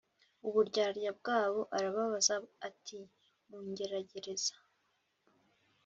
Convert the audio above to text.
uburyarya bwabo arababaza ati Mungeragereza